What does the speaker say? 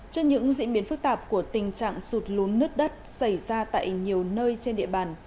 trên những diễn biến phức tạp của tình trạng sụt lún nứt đất xảy ra tại nhiều nơi trên địa bàn